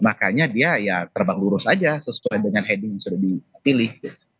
makanya dia ya terbang lurus aja sesuai dengan heading yang sudah dipilih